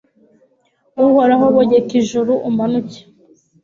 Uhoraho bogeka ijuru umanuke